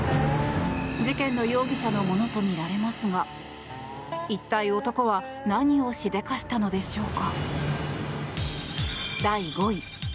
事件の容疑者のものとみられますが、一体男は何をしでかしたのでしょうか。